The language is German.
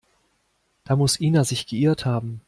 Da muss Ina sich geirrt haben.